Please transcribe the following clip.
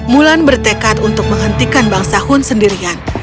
mulan bertekad untuk menghentikan bangsa hun sendirian